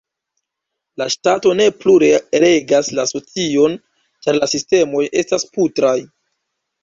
La ŝtato ne plu regas la socion ĉar la sistemoj estas putraj.